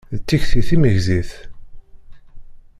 D tikti timegzit.